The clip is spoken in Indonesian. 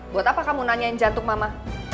buat apa kamu nanyain jantung mama